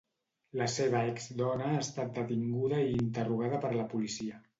La seva ex-dona ha estat detinguda i interrogada per la policia.